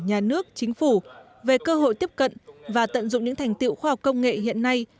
nhà nước chính phủ về cơ hội tiếp cận và tận dụng những thành tiệu khoa học công nghệ hiện nay